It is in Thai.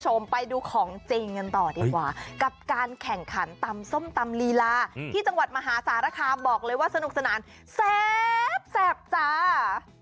คุณผู้ชมไปดูของจริงกันต่อดีกว่ากับการแข่งขันตำส้มตำลีลาที่จังหวัดมหาสารคามบอกเลยว่าสนุกสนานแซ่บจ้า